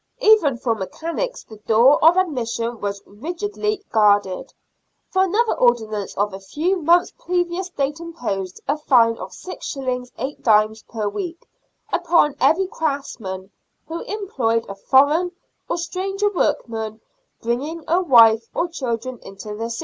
Even for mechanics the door of admission was rigidly guarded, for another ordinance of a few months previous date imposed a fine of 6s. 8d. per week upon every craftsman wha employed a foreign or stranger workman bringing a wife or children into the city.